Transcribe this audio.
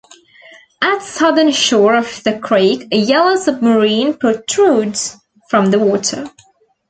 At southern shore of the creek, a yellow submarine protrudes from the water.